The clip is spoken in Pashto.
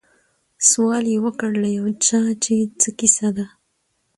سوال یې وکړ له یو چا چي څه کیسه ده